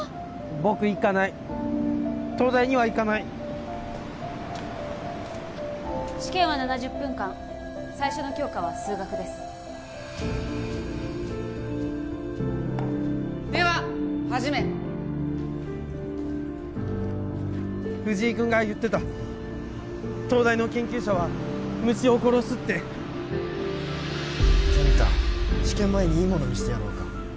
僕行かない東大には行かない試験は７０分間最初の教科は数学ですでは始め藤井君が言ってた東大の研究者は虫を殺すって健太試験前にいいもの見せてやろうか